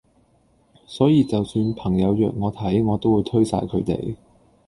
所以就算朋友約我睇我都會推曬佢地